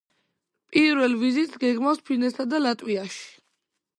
პირველ ვიზიტს გეგმავს ფინეთსა და ლატვიაში.